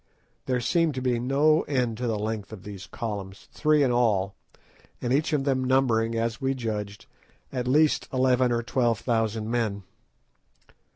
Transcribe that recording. There seemed to be no end to the length of these columns—three in all, and each of them numbering, as we judged, at least eleven or twelve thousand men.